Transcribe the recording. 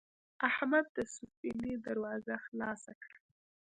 احمد د سفینې دروازه خلاصه کړه.